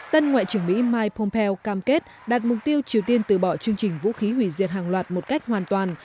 tân ngoại trưởng mỹ mike pompeo cam kết đạt mục tiêu triều tiên từ bỏ chương trình vũ khí hủy diệt hàng loạt một cách hoàn toàn